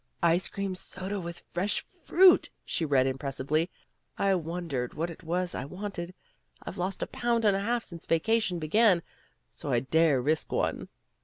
"Ice cream soda with fresh fruit," she read impressively. "I wondered what it was I wanted. I've lost a pound and a half since vacation began, so I dare to risk one."